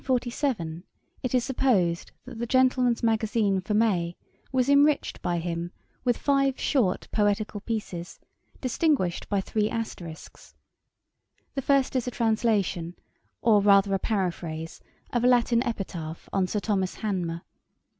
In 1747 it is supposed that the Gentleman's Magazine for May was enriched by him with five short poetical pieces, distinguished by three asterisks. The first is a translation, or rather a paraphrase, of a Latin Epitaph on Sir Thomas Hanmer.